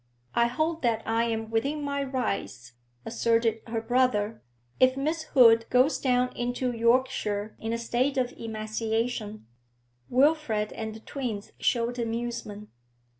I hold that I am within my rights,' asserted her brother. 'If Miss Hood goes down into Yorkshire in a state of emaciation ' Wilfrid and the twins showed amusement.